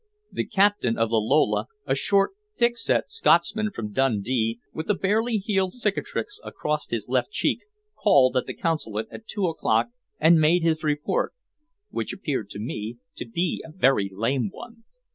The captain of the Lola, a short, thickset Scotsman from Dundee, with a barely healed cicatrice across his left cheek, called at the Consulate at two o'clock and made his report, which appeared to me to be a very lame one.